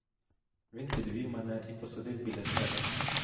Він підвів мене і посадив біля себе.